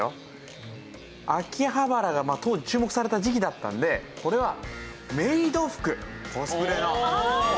秋葉原が当時注目された時期だったんでこれはメイド服コスプレの。